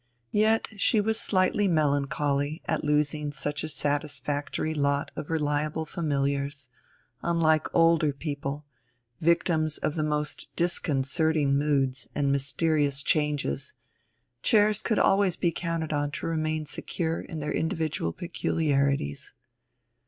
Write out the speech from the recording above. Yet she was slightly melancholy at losing such a satisfactory lot of reliable familiars: unlike older people, victims of the most disconcerting moods and mysterious changes, chairs could always be counted on to remain secure in their individual peculiarities.